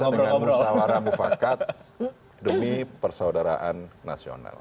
dengan musawarah mufakat demi persaudaraan nasional